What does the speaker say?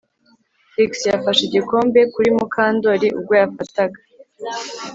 Trix yafashe igikombe kuri Mukandoli ubwo yafataga